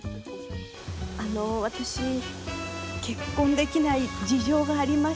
あの私結婚できない事情がありまして。